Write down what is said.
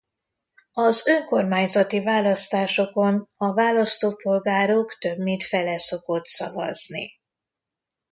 Az önkormányzati választásokon a választópolgárok több mint fele szokott szavazni.